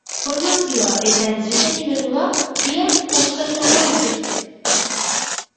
Informazioa eta entrenimendua, biak uztartuko dituzte.